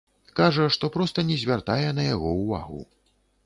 Кажа, што проста не звяртае на яго ўвагу.